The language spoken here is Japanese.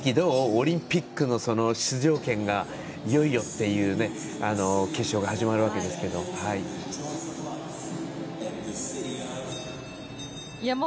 オリンピックの出場権がいよいよという決勝が始まるわけですけども。